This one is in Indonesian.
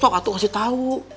kok atuh kasih tahu